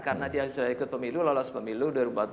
karena dia sudah ikut pemilu lolos pemilu dua ribu empat belas